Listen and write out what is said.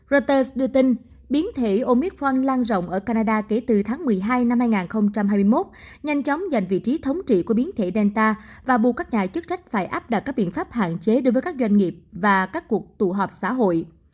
roters đưa tin biến thể omit frand lan rộng ở canada kể từ tháng một mươi hai năm hai nghìn hai mươi một nhanh chóng giành vị trí thống trị của biến thể delta và buộc các nhà chức trách phải áp đặt các biện pháp hạn chế đối với các doanh nghiệp và các cuộc tụ họp xã hội